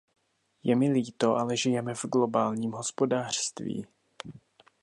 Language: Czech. Je mi líto, ale žijeme v globálním hospodářství.